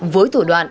với thủ đoạn